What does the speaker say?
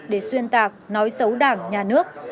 để xuyên tạc nói xấu đảng nhà nước